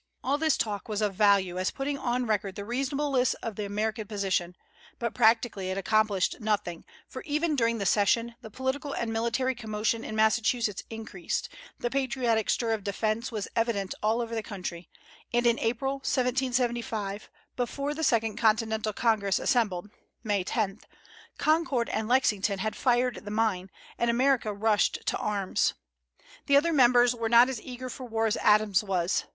All this talk was of value as putting on record the reasonableness of the American position: but practically it accomplished nothing, for, even during the session, the political and military commotion in Massachusetts increased; the patriotic stir of defence was evident all over the country; and in April, 1775, before the second Continental Congress assembled (May 10) Concord and Lexington had fired the mine, and America rushed to arms. The other members were not as eager for war as Adams was.